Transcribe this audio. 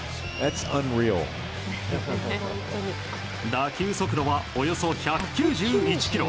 打球速度はおよそ１９１キロ。